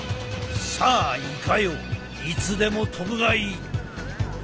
さあイカよいつでも飛ぶがいい！